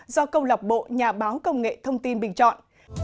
do công lọc bộ nhà báo công nghệ thông tin bình chọn